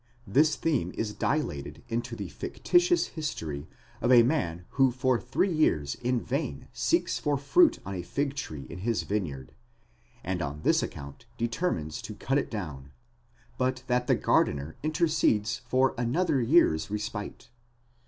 this theme is dilated into the fictitious history of a man who for three years in vain seeks for fruit on a fig tree in his vine yard, and on this account determines to cut it down, but that the gardener intercedes for another year's respite.